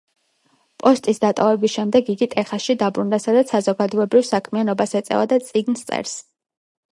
პოსტის დატოვების შემდეგ იგი ტეხასში დაბრუნდა, სადაც საზოგადოებრივ საქმიანობას ეწევა და წიგნს წერს.